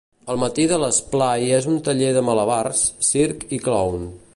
El matí de l'esplai és un taller de malabars, circ i clown.